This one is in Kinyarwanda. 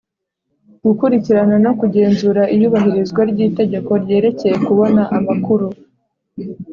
Gukurikirana no kugenzura iyubahirizwa ry itegeko ryerekeye kubona amakuru